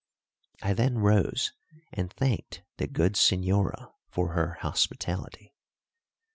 I then rose and thanked the good señora for her hospitality.